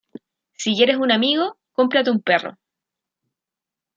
Si quieres un amigo, cómprate un perro